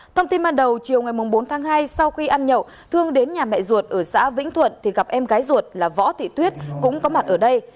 thông tin ban đầu chiều ngày bốn tháng hai sau khi ăn nhậu thương đến nhà mẹ ruột ở xã vĩnh thuận thì gặp em gái ruột là võ thị tuyết cũng có mặt ở đây